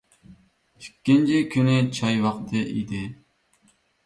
ئىككىنچى كۈنى چاي ۋاقتى ئىدى.